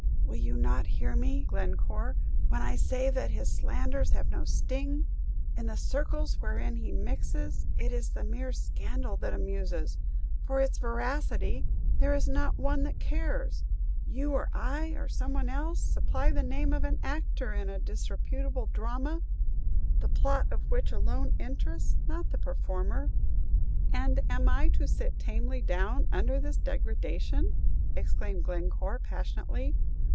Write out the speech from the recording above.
"Will you not hear me, Glencore, when I say that his slanders have no sting? In the circles wherein he mixes, it is the mere scandal that amuses; for its veracity, there is not one that cares. You, or I, or some one else, supply the name of an actor in a disreputable drama, the plot of which alone interests, not the performer." "And am I to sit tamely down under this degradation?" exclaimed Glencore, passionately.